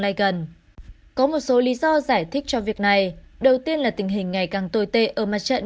nay gần có một số lý do giải thích cho việc này đầu tiên là tình hình ngày càng tồi tệ ở mặt trận